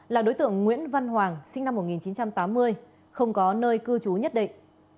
là đối tượng nguyễn văn hoàng sinh năm một nghìn chín trăm tám mươi không có nơi cư trú nhất định